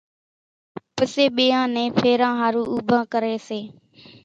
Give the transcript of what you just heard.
پسيَ ٻيئان نين ڦيران ۿارُو اُوڀان ڪريَ سي۔